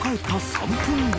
３分後？